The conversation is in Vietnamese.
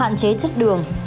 hạn chế chất đường